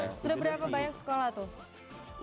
sudah berapa banyak sekolah tuh